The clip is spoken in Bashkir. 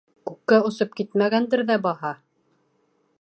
Күккә осоп китмәгәндер ҙә баһа?